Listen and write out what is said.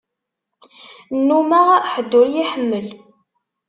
Nnumeɣ ḥedd ur y-iḥemmel.